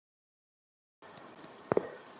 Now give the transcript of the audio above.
হ্যাঁ, হ্যাঁ, বলো আমার আদেশ।